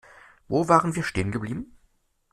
Wo waren wir stehen geblieben?